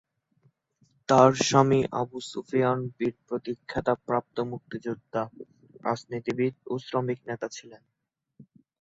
তার স্বামী আবু সুফিয়ান বীর প্রতীক খেতাব প্রাপ্ত মুক্তিযোদ্ধা, রাজনীতিবিদ ও শ্রমিক নেতা ছিলেন।